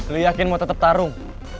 lo yakin mau tetep tarung